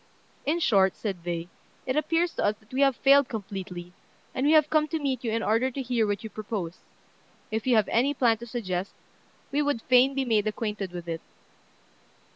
"In short," said they, "it appears to us that we have failed completely; and we have come to meet you in order to hear what you propose. If you have any plan to suggest, we would fain be made acquainted with it."